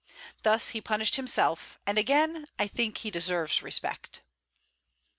Thus he punished himself, and again I think he deserves respect.